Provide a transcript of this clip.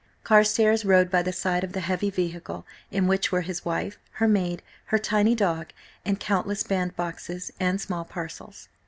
Carstares rode by the side of the heavy vehicle, in which were his wife, her maid, her tiny dog, and countless bandboxes and small parcels.